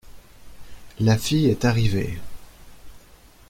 La fille est arrivée.